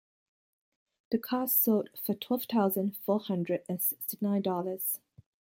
The car sold for twelve thousand four hundred and sixty nine Dollars.